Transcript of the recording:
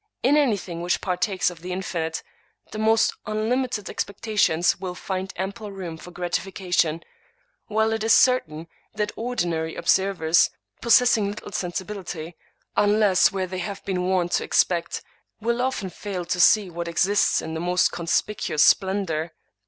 In anything which partakes of the infinite, the most unlimited expectations will find ample room for gratification; while it is certain that ordinary observers, possessing little sensibility, unless III English Mystery Stories where they have been warned to expect, will often fail to see what exists in the most conspicuous splendor.